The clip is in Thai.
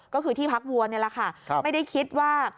ก็คือที่พักวัวนี่แหละค่ะไม่ได้คิดว่า